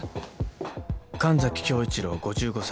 神崎恭一郎５５歳。